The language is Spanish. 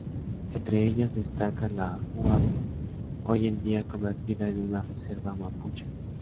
Entre ellas destaca la Huapi, hoy en día convertida en una reserva mapuche.